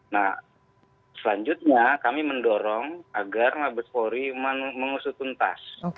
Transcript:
nah selanjutnya kami mendorong agar mabes polri mengusutun tas